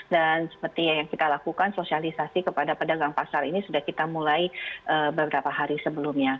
dan seperti yang kita lakukan sosialisasi kepada pedagang pasar ini sudah kita mulai beberapa hari sebelumnya